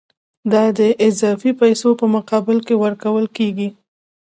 دا د اضافي پیسو په مقابل کې ورکول کېږي